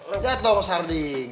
eh jatoh sarding